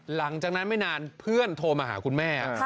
หลังจากนั้นไม่นานเพื่อนโทรมาหาคุณแม่